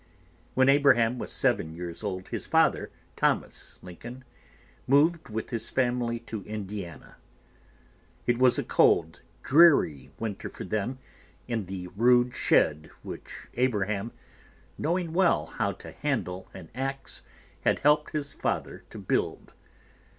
When Abraham was seven years old, his father, Thomas Lincoln, moved with his family to Indiana. It was a cold, dreary winter for them in the rude shed which Abraham, knowing well how to handle an ax, had helped his father to build.